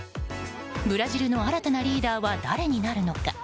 ブラジルの新たなリーダーは誰になるのか？